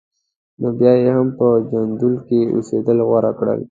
نو بیا یې هم په جندول کې اوسېدل غوره کړل.